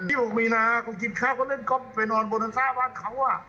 พี่บอกไม่นะเขาคิดข้าวเขาเล่นกล้องไปนอนบนทราบร้านเขาอ่ะ